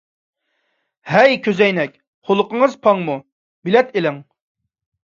ھەي كۆزئەينەك، قۇلىقىڭىز پاڭمۇ؟ بېلەت ئېلىڭ!